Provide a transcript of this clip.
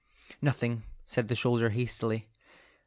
"Nothing," said the soldier, hastily.